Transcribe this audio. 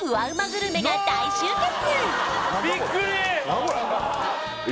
グルメが大集結！